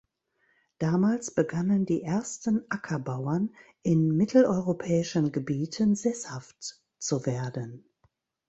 Damals begannen die ersten Ackerbauern in mitteleuropäischen Gebieten sesshaft zu werden.